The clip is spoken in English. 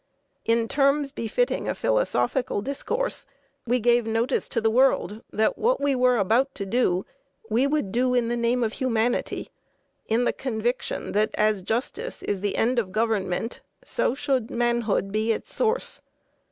In terms befitting a philosophical discourse, we gave notice to the world that what we were about to do, we would do in the name of humanity, in the conviction that as justice is the end of government so should manhood be its source.